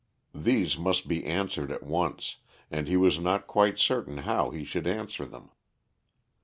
These must be answered at once, and he was not quite certain how he should answer them.